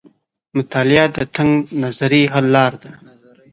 مطالعه د تنګ نظرۍ حل لار ده.